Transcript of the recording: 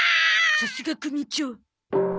さすが組長。